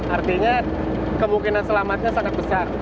artinya kemungkinan selamatnya sangat besar